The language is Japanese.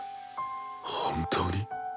本当に？